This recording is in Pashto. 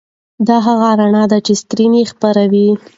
دا هغه رڼا ده چې سکرین یې خپروي.